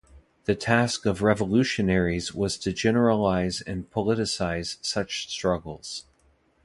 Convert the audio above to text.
The task of revolutionaries was to generalize and politicize such struggles.